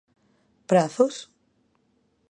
¿Prazos?